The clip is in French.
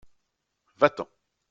Va-t-en !